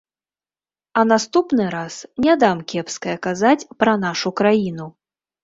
А наступны раз не дам кепскае казаць пра нашу краіну.